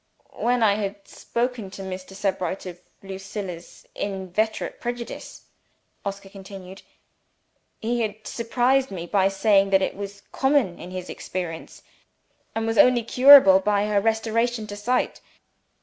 "When I had spoken to Mr. Sebright of Lucilla's inveterate prejudice," Oscar continued, "he had surprised me by saying that it was common in his experience, and was only curable by her restoration to sight.